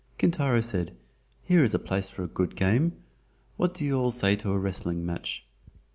Kintaro said, "Here is a place for a good game. What do you all say to a wrestling match?"